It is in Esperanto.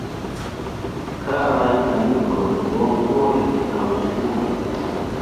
Karaj amikoj, bonvole aŭskultu!